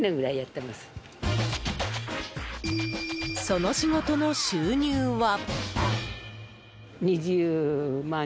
その仕事の収入は？